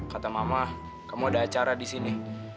kata mama kamu ada acara di sini